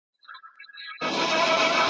نه ګېډۍ غواړو د ګلو نه محتاجه له باغوانه !.